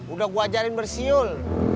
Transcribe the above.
udah gue ajarin bersiul